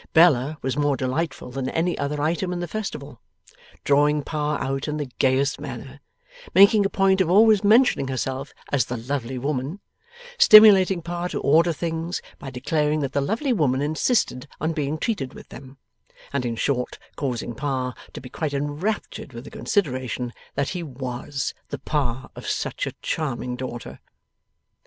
Bella was more delightful than any other item in the festival; drawing Pa out in the gayest manner; making a point of always mentioning herself as the lovely woman; stimulating Pa to order things, by declaring that the lovely woman insisted on being treated with them; and in short causing Pa to be quite enraptured with the consideration that he WAS the Pa of such a charming daughter.